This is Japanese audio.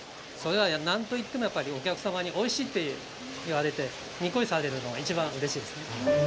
それはなんといってもやっぱりおきゃくさまにおいしいっていわれてニッコリされるのがいちばんうれしいですね。